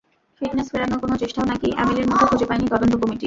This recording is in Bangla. ফিটনেস ফেরানোর কোনো চেষ্টাও নাকি এমিলির মধ্যে খুঁজে পায়নি তদন্ত কমিটি।